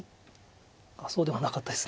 そうではなかったです。